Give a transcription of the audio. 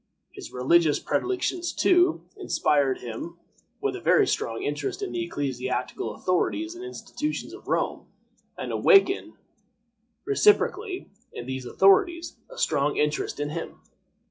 His religious predilections, too, inspired him with a very strong interest in the ecclesiastical authorities and institutions of Rome, and awakened, reciprocally, in these authorities, a strong interest in him.